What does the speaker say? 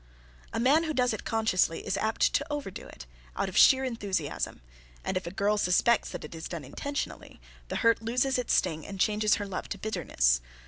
A man who does it consciously is apt to overdo it, out of sheer enthusiasm, and if a girl suspects that it is done intentionally, the hurt loses its sting and changes her love to bitterness.